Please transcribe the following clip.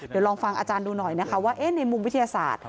เดี๋ยวลองฟังอาจารย์ดูหน่อยนะคะว่าในมุมวิทยาศาสตร์